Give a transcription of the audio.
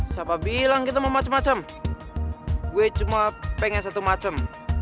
siapa bilang kita mau macam macam